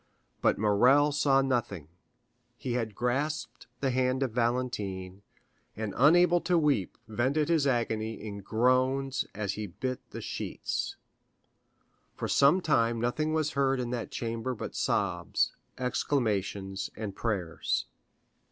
But Morrel saw nothing; he had grasped the hand of Valentine, and unable to weep vented his agony in groans as he bit the sheets. For some time nothing was heard in that chamber but sobs, exclamations, and prayers.